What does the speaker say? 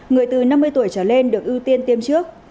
người từ năm mươi tuổi trở lên được ưu tiên tiêm trước